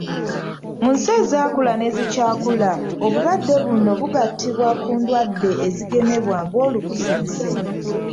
Mu nsi ezaakula n'ezikyakula obulwadde buno bugattibwa ku ndwadde ezigemebwa nga olukusense